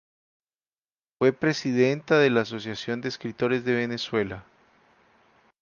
Fue presidenta de la Asociación de Escritores de Venezuela.